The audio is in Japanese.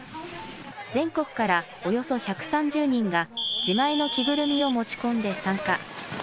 全国からおよそ１３０人が自前の着ぐるみを持ち込んで参加。